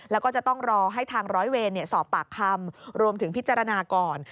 แล้วก็จะต้องรอให้ทางร้อยเวรสอบปากคำรวมถึงพิจารณาก่อน